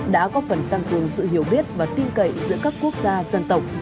đã có phần tăng cường sự hiểu biết và tin cậy giữa các quốc gia dân tộc